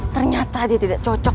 ternyata dia tidak cocok